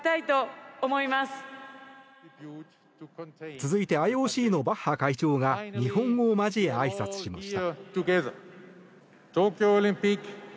続いてＩＯＣのバッハ会長が日本語を交えあいさつしました。